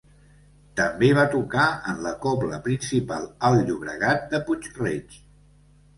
També va tocar en la Cobla Principal Alt Llobregat de Puig-Reig.